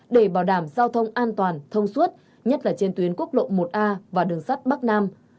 để bảo đảm giao thông an toàn thông suốt nhất là trên tuyến quốc lộ một a và đường sắt bắc nam